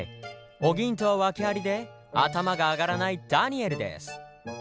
お銀とは訳アリで頭が上がらないダニエルデス！